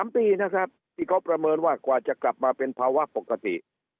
๓ปีนะครับที่เขาประเมินว่ากว่าจะกลับมาเป็นภาวะปกติ